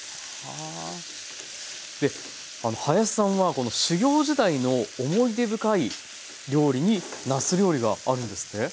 であの林さんは修業時代の思い出深い料理になす料理があるんですって？